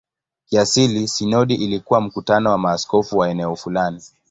Kiasili sinodi ilikuwa mkutano wa maaskofu wa eneo fulani.